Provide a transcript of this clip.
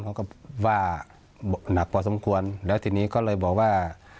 เขาก็ว่าหนักพอสมควรแล้วทีนี้ก็เลยบอกว่า